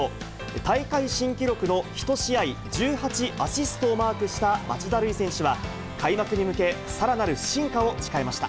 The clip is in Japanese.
大会新記録の１試合１８アシストをマークした町田瑠唯選手は、開幕に向け、さらなる進化を誓いました。